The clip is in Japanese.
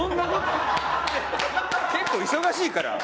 結構忙しいから。